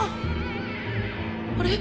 あれ？